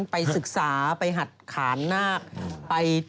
ไปศึกษาไปหัดขานนาค